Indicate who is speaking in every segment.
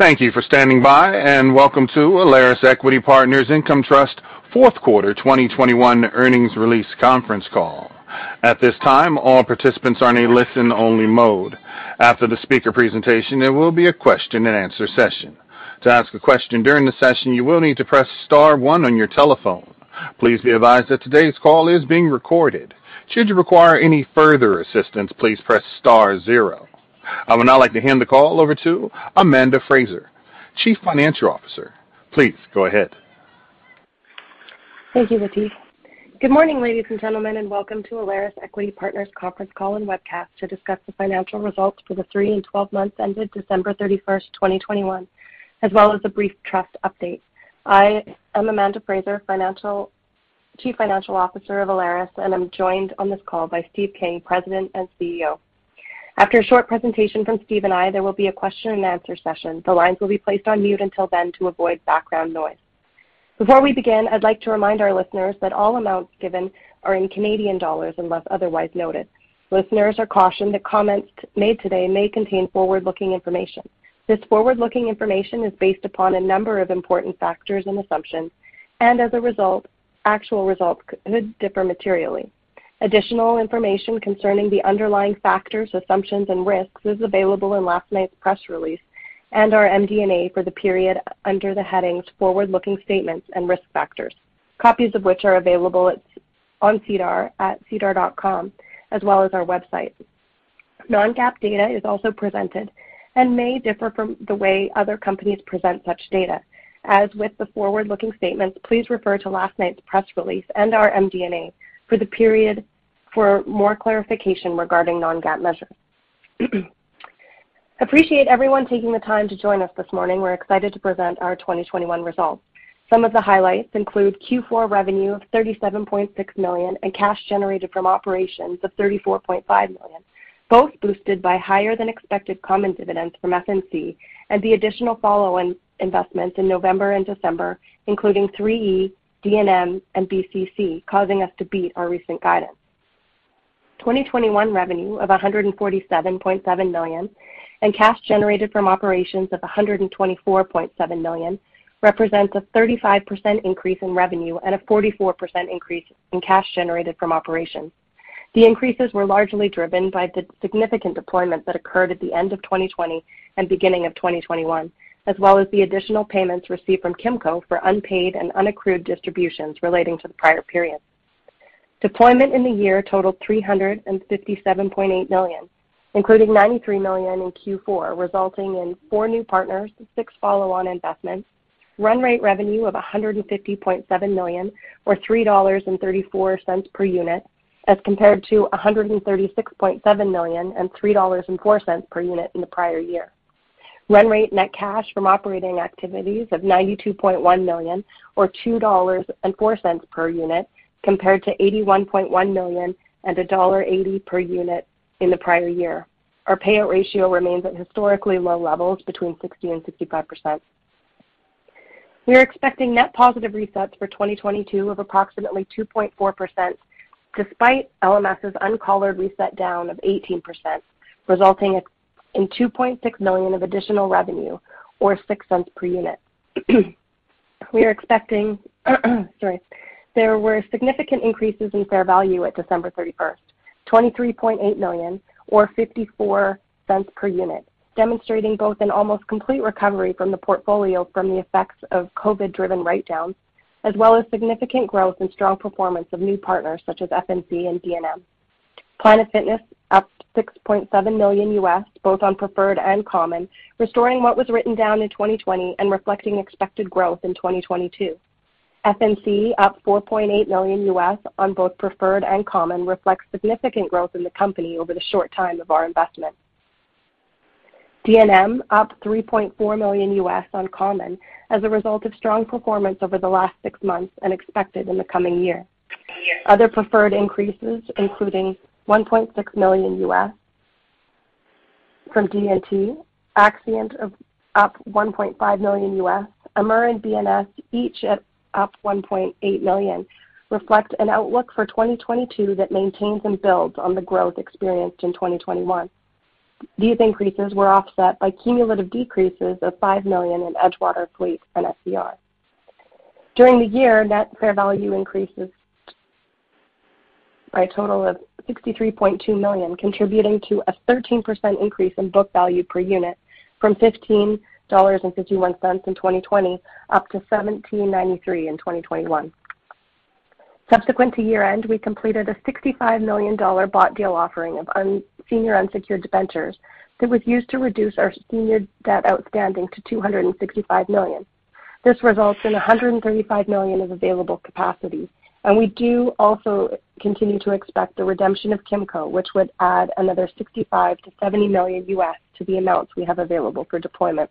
Speaker 1: Thank you for standing by, and welcome to Alaris Equity Partners Income Trust fourth quarter 2021 earnings release conference call. At this time, all participants are in a listen-only mode. After the speaker presentation, there will be a question and answer session. To ask a question during the session, you will need to press star one on your telephone. Please be advised that today's call is being recorded. Should you require any further assistance, please press star zero. I would now like to hand the call over to Amanda Frazer, Chief Financial Officer. Please go ahead.
Speaker 2: Thank you, Ricky. Good morning, ladies and gentlemen, and welcome to Alaris Equity Partners conference call and webcast to discuss the financial results for the three and twelve months ended December 31, 2021, as well as a brief trust update. I am Amanda Frazer, Chief Financial Officer of Alaris, and I'm joined on this call by Steve King, President and CEO. After a short presentation from Steve and I, there will be a question and answer session. The lines will be placed on mute until then to avoid background noise. Before we begin, I'd like to remind our listeners that all amounts given are in Canadian dollars unless otherwise noted. Listeners are cautioned that comments made today may contain forward-looking information. This forward-looking information is based upon a number of important factors and assumptions, and as a result, actual results could differ materially. Additional information concerning the underlying factors, assumptions, and risks is available in last night's press release and our MD&A for the period under the headings Forward-Looking Statements and Risk Factors, copies of which are available on SEDAR at sedar.com as well as our website. Non-GAAP data is also presented and may differ from the way other companies present such data. As with the forward-looking statements, please refer to last night's press release and our MD&A for the period for more clarification regarding non-GAAP measures. We appreciate everyone taking the time to join us this morning. We're excited to present our 2021 results. Some of the highlights include Q4 revenue of 37.6 million and cash generated from operations of 34.5 million, both boosted by higher than expected common dividends from FNC and the additional follow on investments in November and December, including 3E, D&M, and BCC, causing us to beat our recent guidance. 2021 revenue of 147.7 million and cash generated from operations of 124.7 million represents a 35% increase in revenue and a 44% increase in cash generated from operations. The increases were largely driven by the significant deployment that occurred at the end of 2020 and beginning of 2021, as well as the additional payments received from Kimco for unpaid and unaccrued distributions relating to the prior period. Deployment in the year totaled 357.8 million, including 93 million in Q4, resulting in four new partners, six follow-on investments, run rate revenue of 150.7 million or 3.34 dollars per unit as compared to 136.7 million and 3.04 dollars per unit in the prior year. Run rate net cash from operating activities of 92.1 million or 2.04 dollars per unit compared to 81.1 million and dollar 1.80 per unit in the prior year. Our payout ratio remains at historically low levels between 60% and 65%. We are expecting net positive resets for 2022 of approximately 2.4% despite LMS's uncollared reset down of 18%, resulting in 2.6 million of additional revenue or 0.06 per unit. There were significant increases in fair value at December 31, 23.8 million or 0.54 per unit, demonstrating both an almost complete recovery from the portfolio from the effects of COVID driven write downs, as well as significant growth and strong performance of new partners such as FNC and D&M. Planet Fitness up $6.7 million, both on preferred and common, restoring what was written down in 2020 and reflecting expected growth in 2022. FNC up $4.8 million on both preferred and common reflects significant growth in the company over the short time of our investment. D&M up $3.4 million on common as a result of strong performance over the last six months and expected in the coming year. Other preferred increases, including $1.6 million from DNT, Accscient up $1.5 million, Amur and B&S, each up $1.8 million, reflect an outlook for 2022 that maintains and builds on the growth experienced in 2021. These increases were offset by cumulative decreases of $5 million in Edgewater, Fleet, and SCR. During the year, net fair value increases by a total of 63.2 million, contributing to a 13% increase in book value per unit from 15.51 dollars in 2020 up to 17.93 in 2021. Subsequent to year-end, we completed a 65 million dollar bought deal offering of senior unsecured debentures that was used to reduce our senior debt outstanding to 265 million. This results in 135 million of available capacity, and we do also continue to expect the redemption of Kimco, which would add another $65-70 million to the amounts we have available for deployment.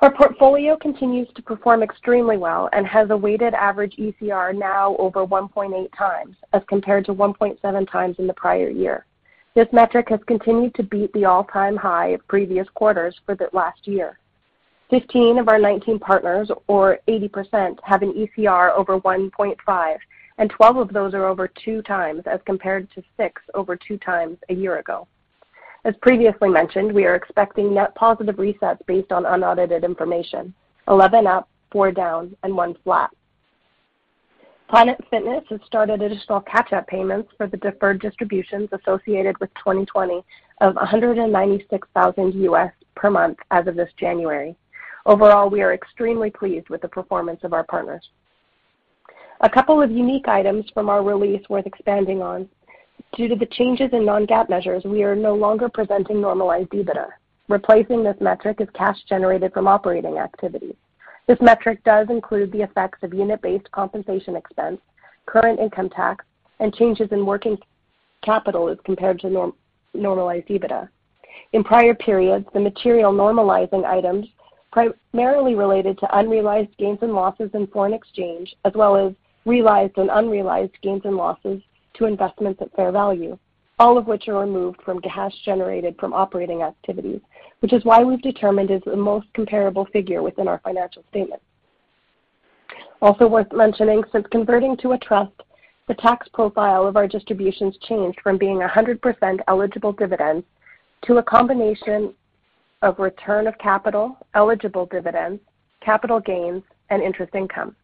Speaker 2: Our portfolio continues to perform extremely well and has a weighted average ECR now over 1.8x as compared to 1.7x in the prior year. This metric has continued to beat the all-time high of previous quarters for the last year. 15 of our 19 partners or 80% have an ECR over 1.5, and 12 of those are over 2x as compared to 6x over 2x a year ago. As previously mentioned, we are expecting net positive resets based on unaudited information, 11 up, four down, and one flat. Planet Fitness has started additional catch-up payments for the deferred distributions associated with 2020 of $196,000 per month as of this January. Overall, we are extremely pleased with the performance of our partners. A couple of unique items from our release worth expanding on. Due to the changes in non-GAAP measures, we are no longer presenting normalized EBITDA. Replacing this metric is cash generated from operating activities. This metric does include the effects of unit-based compensation expense, current income tax, and changes in working capital as compared to normalized EBITDA. In prior periods, the material normalizing items primarily related to unrealized gains and losses in foreign exchange, as well as realized and unrealized gains and losses on investments at fair value, all of which are removed from cash generated from operating activities, which is why we've determined it's the most comparable figure within our financial statement. Also worth mentioning, since converting to a trust, the tax profile of our distributions changed from being 100% eligible dividends to a combination of return of capital, eligible dividends, capital gains, and interest income.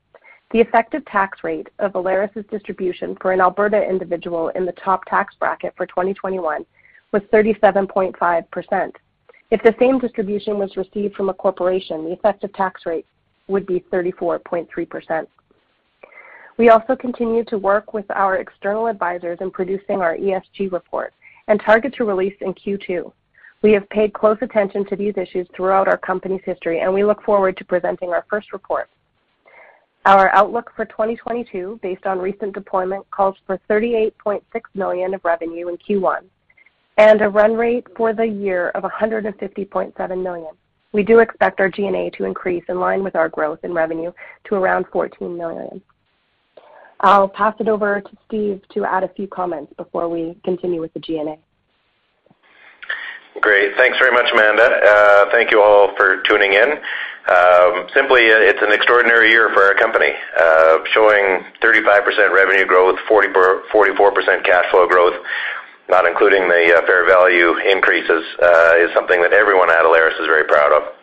Speaker 2: The effective tax rate of Alaris' distribution for an Alberta individual in the top tax bracket for 2021 was 37.5%. If the same distribution was received from a corporation, the effective tax rate would be 34.3%. We also continue to work with our external advisors in producing our ESG report and target to release in Q2. We have paid close attention to these issues throughout our company's history, and we look forward to presenting our first report. Our outlook for 2022 based on recent deployment calls for 38.6 million of revenue in Q1 and a run rate for the year of 150.7 million. We do expect our G&A to increase in line with our growth in revenue to around 14 million. I'll pass it over to Steve to add a few comments before we continue with the G&A.
Speaker 3: Great. Thanks very much, Amanda. Thank you all for tuning in. Simply, it's an extraordinary year for our company, showing 35% revenue growth, 44% cash flow growth, not including the fair value increases, is something that everyone at Alaris is very proud of.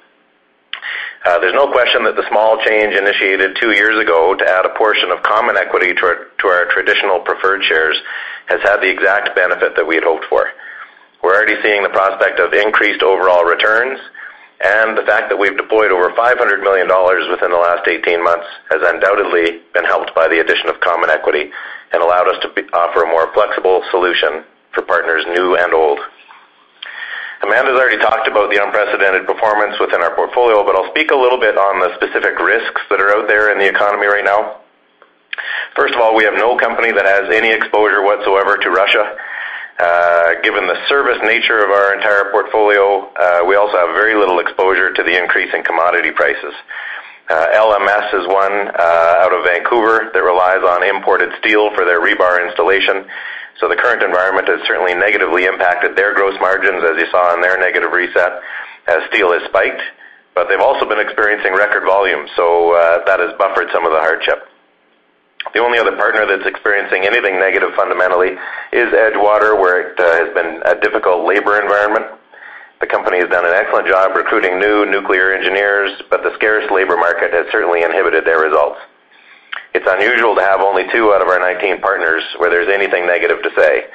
Speaker 3: There's no question that the small change initiated two years ago to add a portion of common equity to our traditional preferred shares has had the exact benefit that we had hoped for. We're already seeing the prospect of increased overall returns, and the fact that we've deployed over 500 million dollars within the last eighteen months has undoubtedly been helped by the addition of common equity and allowed us to offer a more flexible solution for partners, new and old. Amanda's already talked about the unprecedented performance within our portfolio, but I'll speak a little bit on the specific risks that are out there in the economy right now. First of all, we have no company that has any exposure whatsoever to Russia. Given the service nature of our entire portfolio, we also have very little exposure to the increase in commodity prices. LMS is one out of Vancouver that relies on imported steel for their rebar installation, so the current environment has certainly negatively impacted their gross margins, as you saw in their negative reset as steel has spiked. But they've also been experiencing record volume, so that has buffered some of the hardship. The only other partner that's experiencing anything negative fundamentally is Edgewater, where it has been a difficult labor environment. The company has done an excellent job recruiting new nuclear engineers, but the scarce labor market has certainly inhibited their results. It's unusual to have only 2 out of our 19 partners where there's anything negative to say.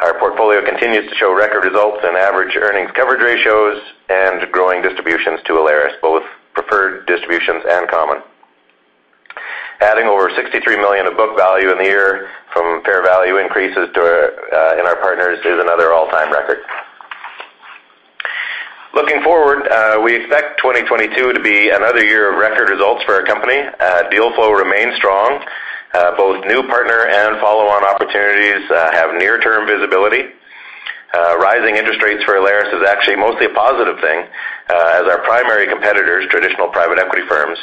Speaker 3: Our portfolio continues to show record results and average earnings coverage ratios and growing distributions to Alaris, both preferred distributions and common. Adding over 63 million of book value in the year from fair value increases to our partners is another all-time record. Looking forward, we expect 2022 to be another year of record results for our company. Deal flow remains strong. Both new partner and follow-on opportunities have near-term visibility. Rising interest rates for Alaris is actually mostly a positive thing, as our primary competitors, traditional private equity firms,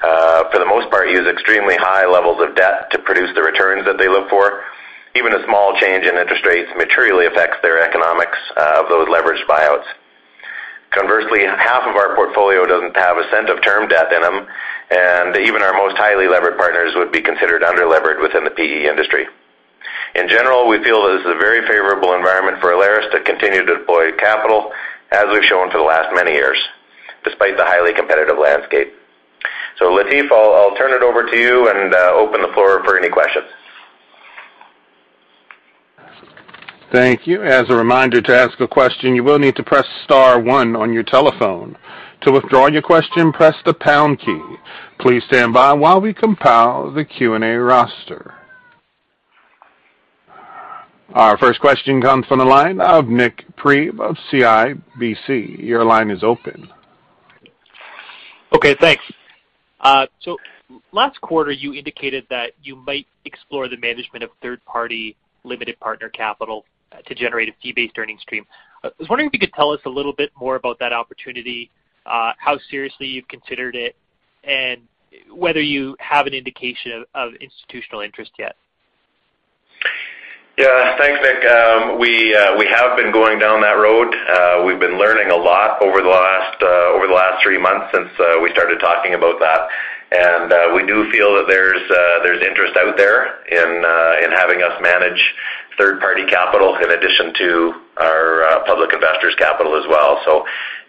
Speaker 3: for the most part, use extremely high levels of debt to produce the returns that they look for. Even a small change in interest rates materially affects their economics of those leveraged buyouts. Conversely, half of our portfolio doesn't have a cent of term debt in them, and even our most highly levered partners would be considered under-levered within the PE industry. In general, we feel this is a very favorable environment for Alaris to continue to deploy capital as we've shown for the last many years, despite the highly competitive landscape. Latifa, I'll turn it over to you and open the floor for any questions.
Speaker 1: Thank you. As a reminder to ask a question, you will need to press star one on your telephone. To withdraw your question, press the pound key. Please stand by while we compile the Q&A roster. Our first question comes from the line of Nik Priebe of CIBC. Your line is open.
Speaker 4: Okay, thanks. Last quarter, you indicated that you might explore the management of third-party limited partner capital, to generate a fee-based earnings stream. I was wondering if you could tell us a little bit more about that opportunity, how seriously you've considered it, and whether you have an indication of institutional interest yet.
Speaker 3: Yeah. Thanks, Nick. We have been going down that road. We've been learning a lot over the last three months since we started talking about that. We do feel that there's interest out there in having us manage third-party capital in addition to our public investors' capital as well.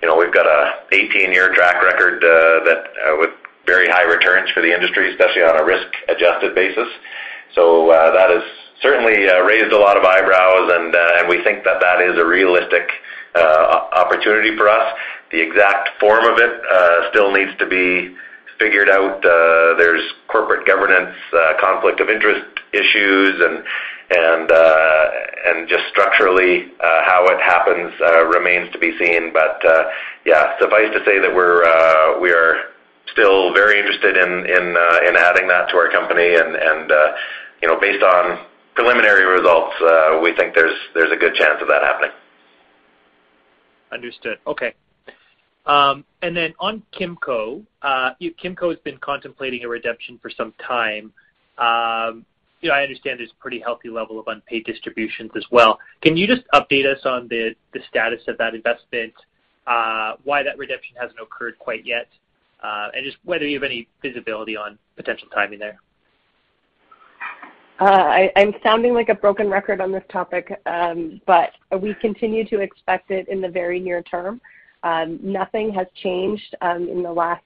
Speaker 3: You know, we've got an 18-year track record that with very high returns for the industry, especially on a risk-adjusted basis. That has certainly raised a lot of eyebrows, and we think that that is a realistic opportunity for us. The exact form of it still needs to be figured out. There's corporate governance conflict of interest issues and just structurally how it happens remains to be seen. Yeah, suffice to say that we are still very interested in adding that to our company and, you know, based on preliminary results, we think there's a good chance of that happening.
Speaker 4: Understood. Okay. On Kimco has been contemplating a redemption for some time. You know, I understand there's pretty healthy level of unpaid distributions as well. Can you just update us on the status of that investment, why that redemption hasn't occurred quite yet, and just whether you have any visibility on potential timing there?
Speaker 2: I'm sounding like a broken record on this topic, but we continue to expect it in the very near term. Nothing has changed in the last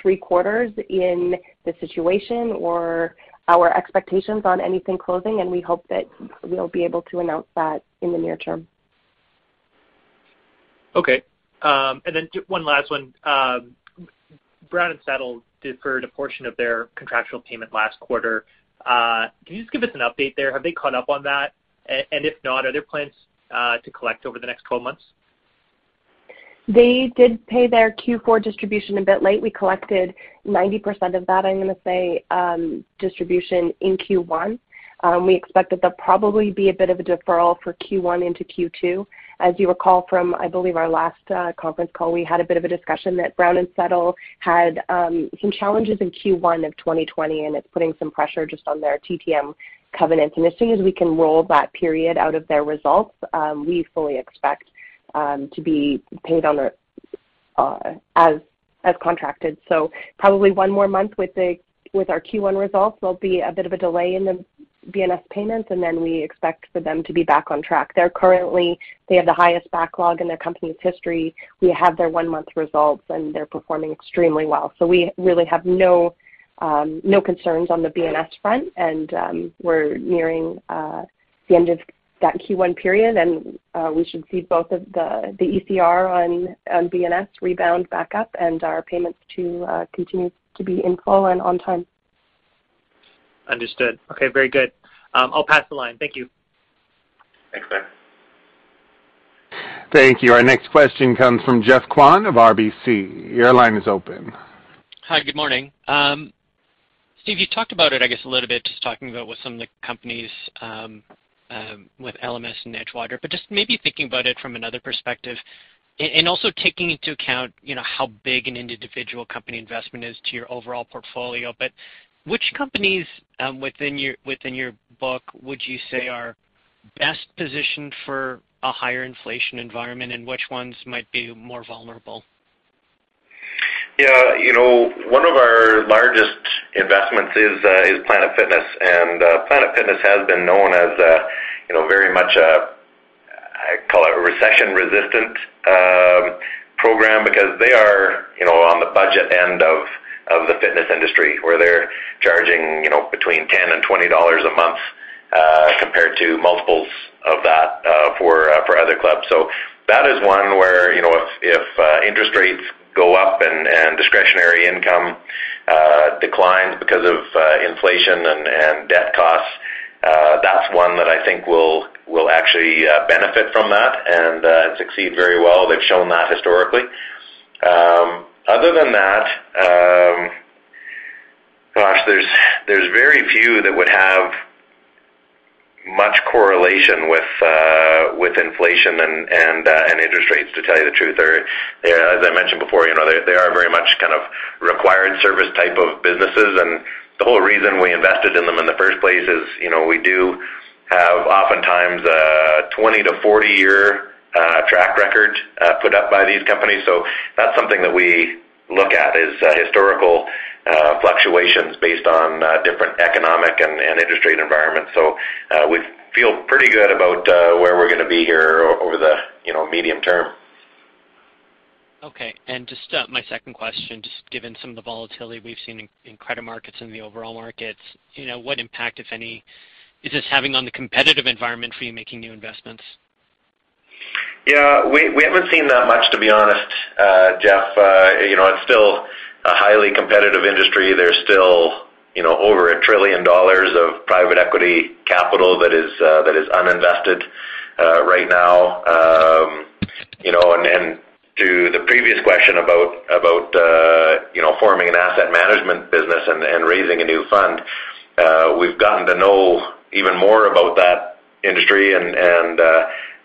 Speaker 2: three quarters in the situation or our expectations on anything closing, and we hope that we'll be able to announce that in the near term.
Speaker 4: Okay. One last one. Brown & Settle deferred a portion of their contractual payment last quarter. Can you just give us an update there? Have they caught up on that? If not, are there plans to collect over the next 12 months?
Speaker 2: They did pay their Q4 distribution a bit late. We collected 90% of that, I'm gonna say, distribution in Q1. We expect that there'll probably be a bit of a deferral for Q1 into Q2. As you recall from, I believe, our last conference call, we had a bit of a discussion that Brown & Settle had some challenges in Q1 of 2020, and it's putting some pressure just on their TTM covenants. As soon as we can roll that period out of their results, we fully expect to be paid on their, as contracted. Probably one more month with our Q1 results, there'll be a bit of a delay in the B&S payments, and then we expect for them to be back on track. They have the highest backlog in their company's history. We have their one-month results, and they're performing extremely well. We really have no concerns on the B&S front. We're nearing the end of that Q1 period, and we should see both of the ECR on B&S rebound back up and our payments continue to be in full and on time.
Speaker 4: Understood. Okay. Very good. I'll pass the line. Thank you.
Speaker 3: Thanks, Nik.
Speaker 1: Thank you. Our next question comes from Geoffrey Kwan of RBC. Your line is open.
Speaker 5: Hi. Good morning. Steve, you talked about it, I guess, a little bit, just talking about what some of the companies with LMS and Edgewater, but just maybe thinking about it from another perspective and also taking into account, you know, how big an individual company investment is to your overall portfolio. Which companies within your book would you say are best positioned for a higher inflation environment, and which ones might be more vulnerable?
Speaker 3: Yeah. You know, one of our largest investments is Planet Fitness, and Planet Fitness has been known as a, you know, very much a, I call it a recession-resistant program because they are, you know, on the budget end of the fitness industry, where they're charging, you know, between $10 and $20 a month, compared to multiples of that, for other clubs. That is one where, you know, if interest rates go up and discretionary income declines because of inflation and debt costs, that's one that I think will actually benefit from that and succeed very well. They've shown that historically. Other than that, gosh, there's very few that would have much correlation with inflation and interest rates, to tell you the truth. They're. As I mentioned before, you know, they are very much kind of required service type of businesses. The whole reason we invested in them in the first place is, you know, we do have oftentimes a 20- to 40-year track record put up by these companies. That's something that we look at, is historical fluctuations based on different economic and industry environments. We feel pretty good about where we're gonna be here over the medium term.
Speaker 5: Okay. Just my second question, just given some of the volatility we've seen in credit markets and the overall markets, you know, what impact, if any, is this having on the competitive environment for you making new investments?
Speaker 3: Yeah. We haven't seen that much, to be honest, Jeff. You know, it's still a highly competitive industry. There's still, you know, over $1 trillion of private equity capital that is uninvested right now. You know, to the previous question about you know, forming an asset management business and raising a new fund, we've gotten to know even more about that industry and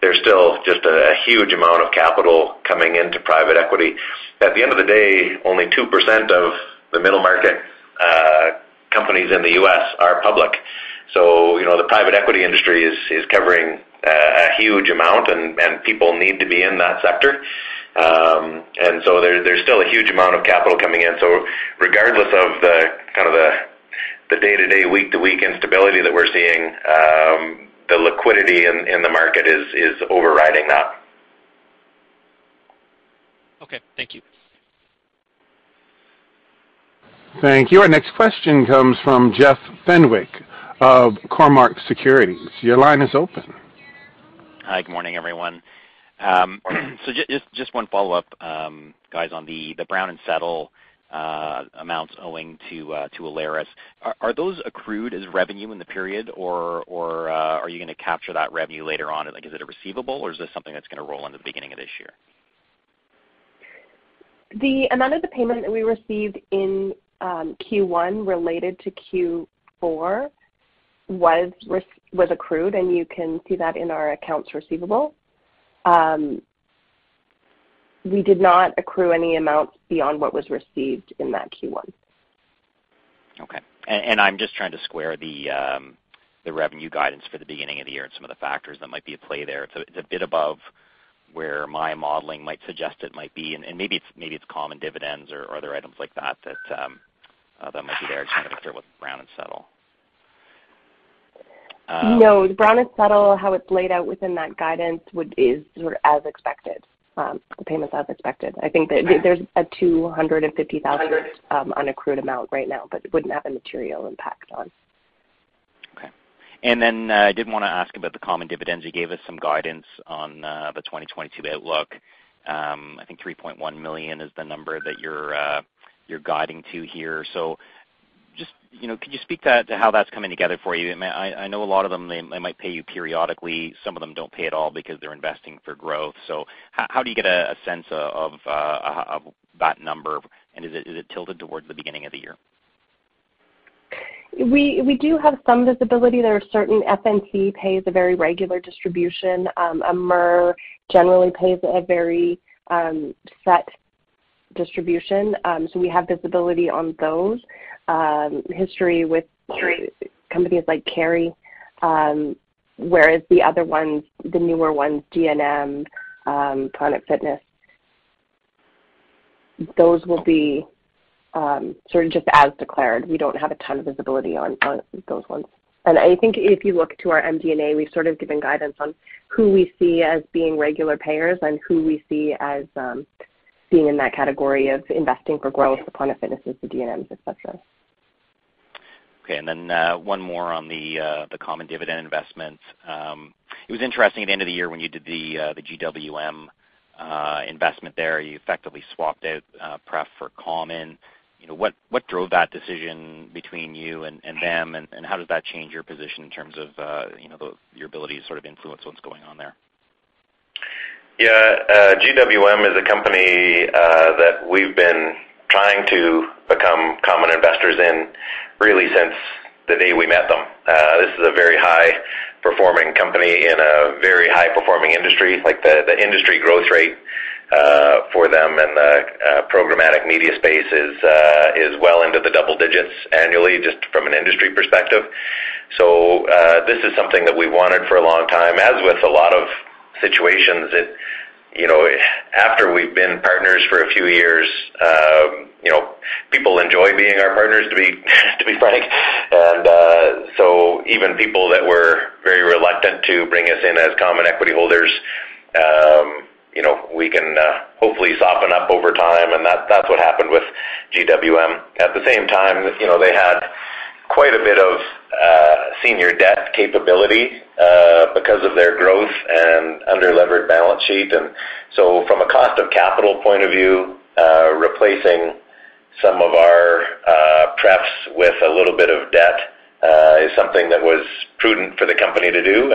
Speaker 3: there's still just a huge amount of capital coming into private equity. At the end of the day, only 2% of the middle market companies in the U.S. are public. You know, the private equity industry is covering a huge amount and people need to be in that sector. There's still a huge amount of capital coming in. Regardless of the kind of day-to-day, week-to-week instability that we're seeing, the liquidity in the market is overriding that.
Speaker 5: Okay. Thank you.
Speaker 1: Thank you. Our next question comes from Jeff Fenwick of Cormark Securities. Your line is open.
Speaker 6: Hi, good morning, everyone. Just one follow-up, guys, on the Brown & Settle amounts owing to Alaris. Are those accrued as revenue in the period, or are you gonna capture that revenue later on? Like, is it a receivable, or is this something that's gonna roll in the beginning of this year?
Speaker 2: The amount of the payment that we received in Q1 related to Q4 was accrued, and you can see that in our accounts receivable. We did not accrue any amounts beyond what was received in that Q1.
Speaker 6: Okay. I'm just trying to square the revenue guidance for the beginning of the year and some of the factors that might be at play there. It's a bit above where my modeling might suggest it might be. Maybe it's common dividends or other items like that that might be there. I'm trying to figure what's Brown & Settle.
Speaker 2: No. The Brown & Settle, how it's laid out within that guidance is sort of as expected, the payment's as expected. I think that-
Speaker 6: All right.
Speaker 2: There, there's a 250,000 an accrued amount right now, but it wouldn't have a material impact on.
Speaker 6: Okay. I did wanna ask about the common dividends. You gave us some guidance on the 2022 outlook. I think 3.1 million is the number that you're guiding to here. Just, you know, can you speak to that, to how that's coming together for you? I know a lot of them, they might pay you periodically. Some of them don't pay at all because they're investing for growth. How do you get a sense of that number, and is it tilted towards the beginning of the year?
Speaker 2: We do have some visibility. FNC pays a very regular distribution. Amur generally pays a very set distribution. So we have visibility on those. History with companies like Carey, whereas the other ones, the newer ones, D&M, Planet Fitness, those will be sort of just as declared. We don't have a ton of visibility on those ones. I think if you look to our MD&A, we've sort of given guidance on who we see as being regular payers and who we see as being in that category of investing for growth, the Planet Fitnesses, the D&Ms, et cetera.
Speaker 6: Okay. One more on the common dividend investments. It was interesting at the end of the year when you did the GWM investment there. You effectively swapped out pref for common. You know, what drove that decision between you and them, and how does that change your position in terms of you know, your ability to sort of influence what's going on there?
Speaker 3: Yeah. GWM is a company that we've been trying to become common investors in really since the day we met them. This is a very high performing company in a very high performing industry. Like, the industry growth rate for them and the programmatic media space is well into the double digits annually just from an industry perspective. This is something that we wanted for a long time. As with a lot of situations, it, you know, after we've been partners for a few years, you know, people enjoy being our partners, to be frank. Even people that were very reluctant to bring us in as common equity holders, you know, we can hopefully soften up over time, and that's what happened with GWM. At the same time, you know, they had quite a bit of senior debt capability because of their growth and under-levered balance sheet. From a cost of capital point of view, replacing some of our prefs with a little bit of debt is something that was prudent for the company to do.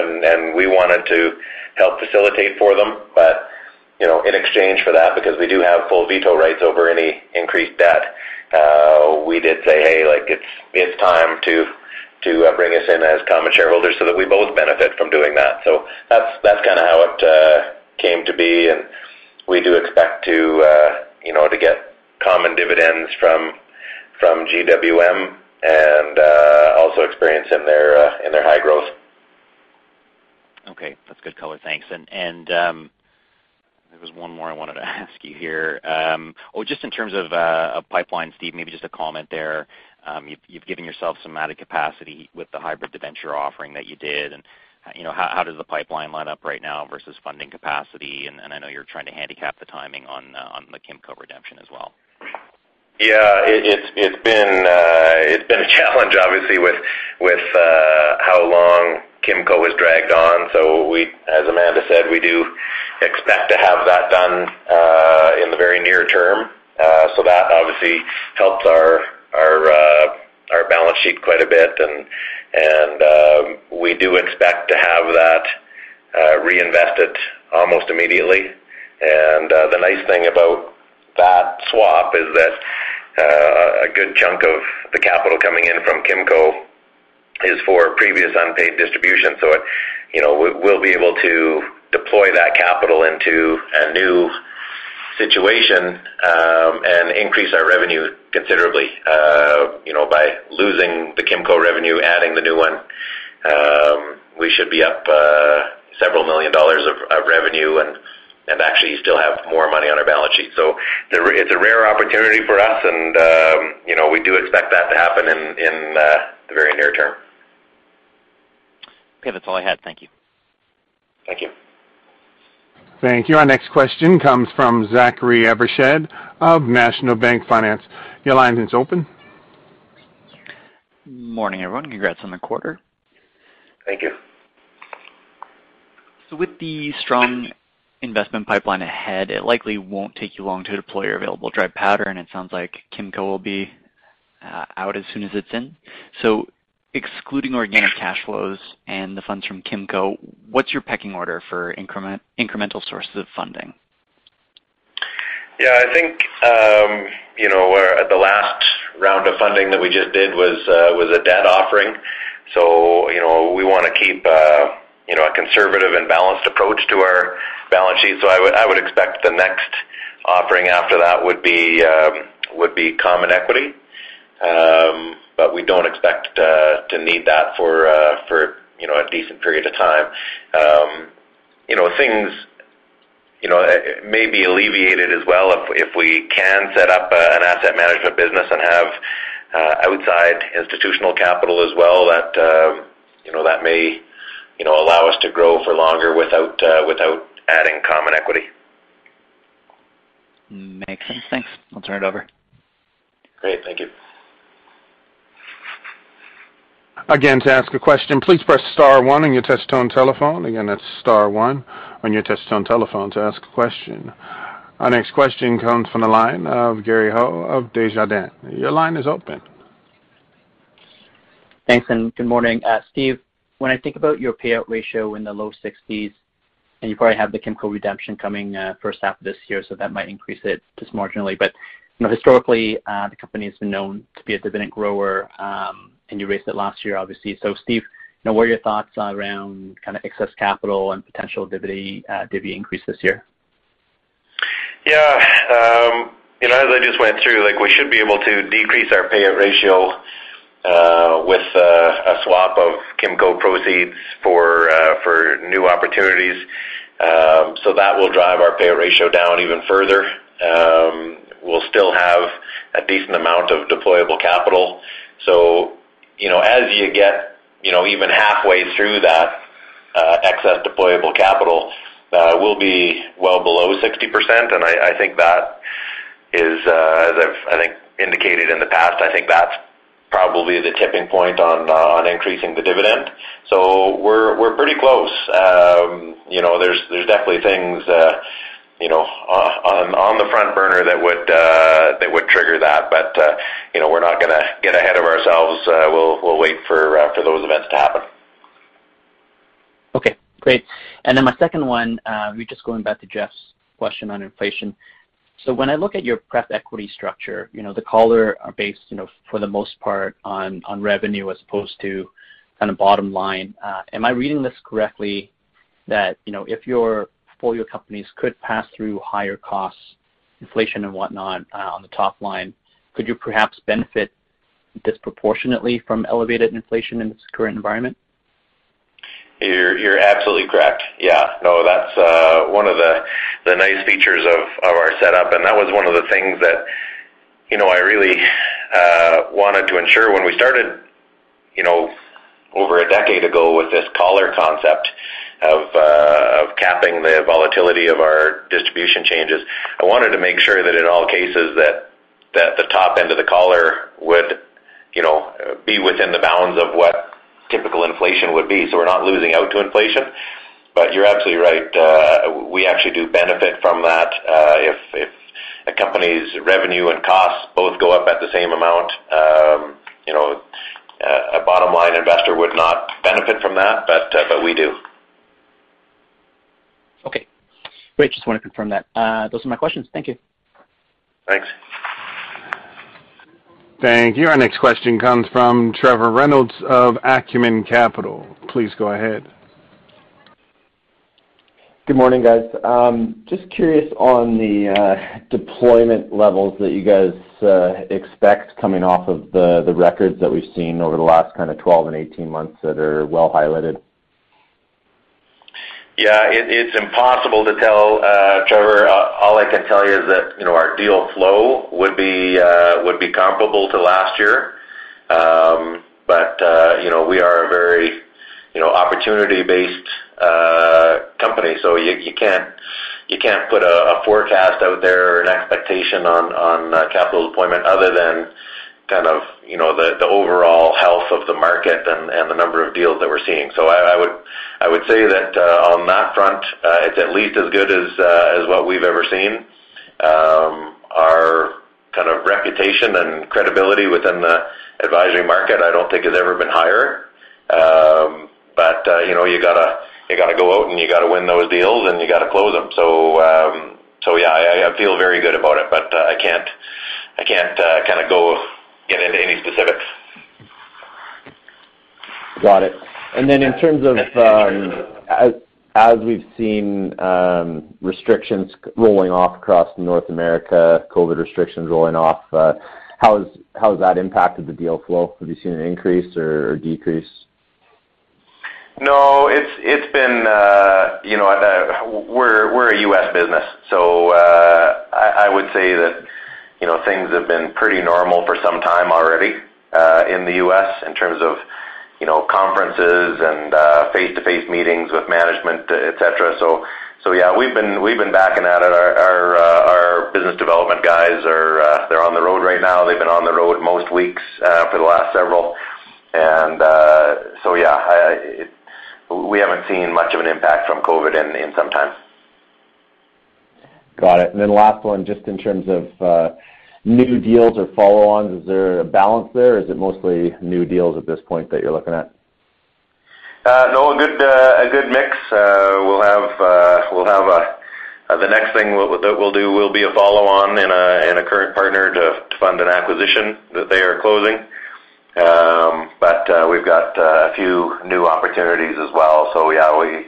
Speaker 3: We wanted to help facilitate for them, but you know, in exchange for that, because we do have full veto rights over any increased debt, we did say, "Hey, like, it's time to bring us in as common shareholders so that we both benefit from doing that." That's kinda how it came to be, and we do expect to you know, to get common dividends from GWM, and also experience in their high growth.
Speaker 6: Okay. That's good color. Thanks. There was one more I wanted to ask you here. Well, just in terms of pipeline, Steve, maybe just a comment there. You've given yourself some added capacity with the hybrid debenture offering that you did. You know, how does the pipeline line up right now versus funding capacity? I know you're trying to handicap the timing on the Kimco redemption as well.
Speaker 3: Yeah. It's been a challenge obviously with how long Kimco has dragged on. As Amanda said, we do expect to have that done in the very near term. That obviously helps our balance sheet quite a bit. We do expect to have that reinvested almost immediately. The nice thing about that swap is that a good chunk of the capital coming in from Kimco is for previous unpaid distribution. You know, we will be able to deploy that capital into a new situation and increase our revenue considerably. You know, by losing the Kimco revenue, adding the new one, we should be up $ several million of revenue and actually still have more money on our balance sheet. It's a rare opportunity for us and, you know, we do expect that to happen in the very near term.
Speaker 6: Okay. That's all I had. Thank you.
Speaker 3: Thank you.
Speaker 1: Thank you. Our next question comes from Zachary Evershed of National Bank Financial. Your line is open.
Speaker 7: Morning, everyone. Congrats on the quarter.
Speaker 3: Thank you.
Speaker 7: With the strong investment pipeline ahead, it likely won't take you long to deploy your available dry powder, and it sounds like Kimco will be out as soon as it's in. Excluding organic cash flows and the funds from Kimco, what's your pecking order for incremental sources of funding?
Speaker 3: Yeah, I think, you know, we're at the last round of funding that we just did was a debt offering. You know, we wanna keep, you know, a conservative and balanced approach to our balance sheet. I would expect the next offering after that would be common equity. But we don't expect to need that for, you know, a decent period of time. You know, things, you know, may be alleviated as well if we can set up an asset management business and have outside institutional capital as well that, you know, that may, you know, allow us to grow for longer without adding common equity.
Speaker 7: Makes sense. Thanks. I'll turn it over.
Speaker 3: Great. Thank you.
Speaker 1: To ask a question, please press star one on your touchtone telephone. That's star one on your touchtone telephone to ask a question. Our next question comes from the line of Gary Ho of Desjardins. Your line is open.
Speaker 8: Thanks, good morning. Steve, when I think about your payout ratio in the low 60s%, and you probably have the Kimco redemption coming first half of this year, so that might increase it just marginally. You know, historically, the company has been known to be a dividend grower, and you raised it last year, obviously. Steve, you know, what are your thoughts around kinda excess capital and potential dividend increase this year?
Speaker 3: Yeah. You know, as I just went through, like, we should be able to decrease our payout ratio with a swap of Kimco proceeds for new opportunities. That will drive our payout ratio down even further. We'll still have a decent amount of deployable capital. You know, as you get, you know, even halfway through that excess deployable capital, we'll be well below 60%, and I think that is, as I've indicated in the past, I think that's probably the tipping point on increasing the dividend. We're pretty close. You know, there's definitely things, you know, on the front burner that would trigger that. You know, we're not gonna get ahead of ourselves. We'll wait for those events to happen.
Speaker 8: Okay, great. My second one, just going back to Jeff's question on inflation. When I look at your preferred equity structure, you know, the collars are based, you know, for the most part on revenue as opposed to kinda bottom line. Am I reading this correctly that, you know, if your portfolio companies could pass through higher costs, inflation and whatnot, on the top line, could you perhaps benefit disproportionately from elevated inflation in this current environment?
Speaker 3: You're absolutely correct. Yeah. No, that's one of the nice features of our setup, and that was one of the things that, you know, I really wanted to ensure when we started, you know, over a decade ago with this collar concept of capping the volatility of our distribution changes. I wanted to make sure that in all cases that the top end of the collar would, you know, be within the bounds of what typical inflation would be, so we're not losing out to inflation. You're absolutely right. We actually do benefit from that. If a company's revenue and costs both go up at the same amount, you know, a bottom line investor would not benefit from that, but we do.
Speaker 8: Okay. Great. Just wanna confirm that. Those are my questions. Thank you.
Speaker 3: Thanks.
Speaker 1: Thank you. Our next question comes from Trevor Reynolds of Acumen Capital. Please go ahead.
Speaker 9: Good morning, guys. Just curious on the deployment levels that you guys expect coming off of the records that we've seen over the last kind of 12 and 18 months that are well highlighted.
Speaker 3: Yeah. It's impossible to tell, Trevor. All I can tell you is that, you know, our deal flow would be comparable to last year. You know, we are a very, you know, opportunity-based company. You can't put a forecast out there or an expectation on capital deployment other than kind of, you know, the overall health of the market and the number of deals that we're seeing. I would say that on that front, it's at least as good as what we've ever seen. Our kind of reputation and credibility within the advisory market, I don't think has ever been higher. You know, you gotta go out and you gotta win those deals and you gotta close them. Yeah, I feel very good about it, but I can't kinda go get into any specifics.
Speaker 9: Got it. Then in terms of, as we've seen, restrictions rolling off across North America, COVID restrictions rolling off, how has that impacted the deal flow? Have you seen an increase or decrease?
Speaker 3: No. It's been, you know, we're a U.S. business, so, I would say that, you know, things have been pretty normal for some time already, in the U.S. in terms of, you know, conferences and, face-to-face meetings with management, et cetera. Yeah, we've been back at it. Our business development guys are, they're on the road right now. They've been on the road most weeks, for the last several. Yeah, we haven't seen much of an impact from COVID in some time.
Speaker 9: Got it. Last one, just in terms of new deals or follow-ons, is there a balance there? Is it mostly new deals at this point that you're looking at?
Speaker 3: No, a good mix. The next thing that we'll do will be a follow-on in a current partner to fund an acquisition that they are closing. We've got a few new opportunities as well. Yeah,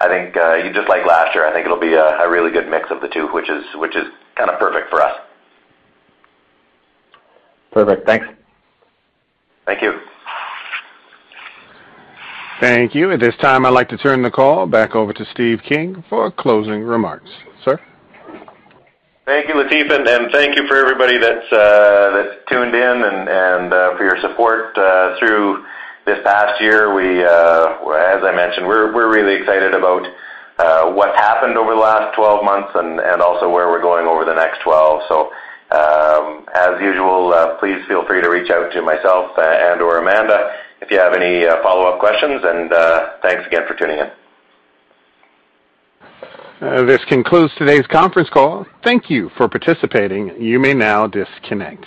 Speaker 3: I think just like last year, I think it'll be a really good mix of the two, which is kinda perfect for us.
Speaker 9: Perfect. Thanks.
Speaker 3: Thank you.
Speaker 1: Thank you. At this time, I'd like to turn the call back over to Steve King for closing remarks. Sir?
Speaker 3: Thank you, Latifa, and thank you for everybody that's tuned in and for your support through this past year. We, as I mentioned, we're really excited about what happened over the last 12 months and also where we're going over the next 12. As usual, please feel free to reach out to myself and/or Amanda if you have any follow-up questions, and thanks again for tuning in.
Speaker 1: This concludes today's conference call. Thank you for participating. You may now disconnect.